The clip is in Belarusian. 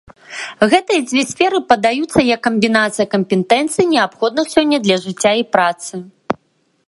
Гэтыя дзве сферы падаюцца як камбінацыя кампетэнцый, неабходных сёння для жыцця і працы.